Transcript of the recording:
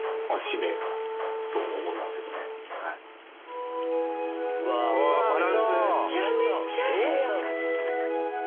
めちゃめちゃええやん。